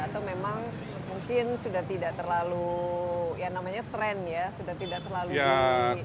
atau memang mungkin sudah tidak terlalu ya namanya trend ya sudah tidak terlalu tinggi